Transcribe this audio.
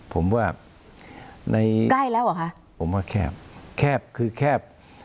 ผมว่าในใกล้แล้วเหรอคะผมว่าแคบแคบคือแคบ